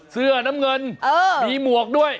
เสื้อน้ำเงินมีหมวกด้วย